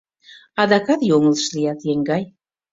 — Адакат йоҥылыш лият, еҥгай.